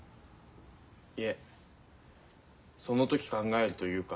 いえその時考えるというか。